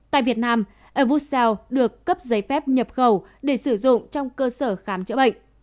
tại việt nam airvusel được cấp giấy phép nhập khẩu để sử dụng trong cơ sở khám chữa bệnh